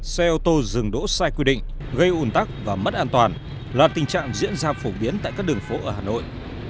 xe ô tô dừng đỗ sai quy định gây ủn tắc và mất an toàn là tình trạng diễn ra phổ biến tại các đường phố ở hà nội